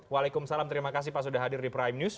waalaikumsalam terima kasih pak sudah hadir di prime news